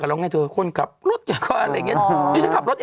เปล่าไม่เอาอย่าไปตรวจบ่อย